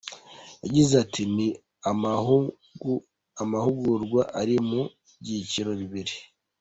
Yagize ati “Ni amahugurwa ari mu byiciro bibiri.